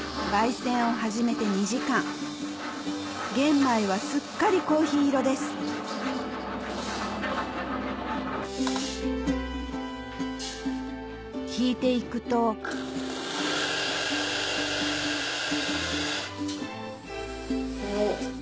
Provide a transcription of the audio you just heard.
焙煎を始めて２時間玄米はすっかり珈琲色です挽いて行くとおっ！